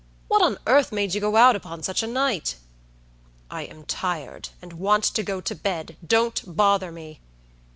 What on earth made you go out upon such a night?" "I am tired, and want to go to beddon't bother me."